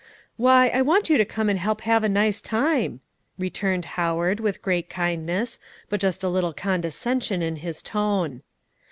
"Why, I want you to come and help have a nice time," returned Howard, with great kindness, but just a little condescension in his tone.